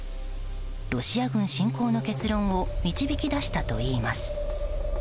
ロシア軍侵攻の結論を導き出したといいます。